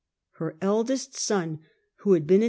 Her eldest son, who had been in.